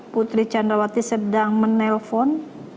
putri candrawati sedang menelpon